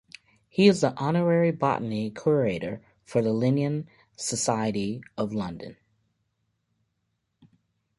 He is the honorary botany curator for the Linnean Society of London.